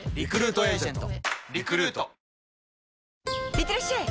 いってらっしゃい！